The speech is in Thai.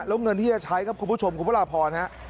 แล้วเงินที่จะใช้ครับคุณผู้ชมคุณพระราพรฮะ